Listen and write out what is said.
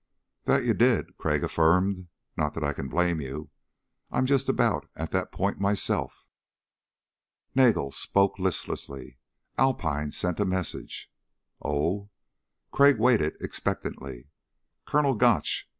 "That you did," Crag affirmed. "Not that I can blame you. I'm just about at that point myself." Nagel spoke listlessly. "Alpine sent a message." "Oh?" Crag waited expectantly. "Colonel Gotch.